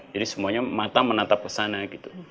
jadi semuanya mata menatap kesana gitu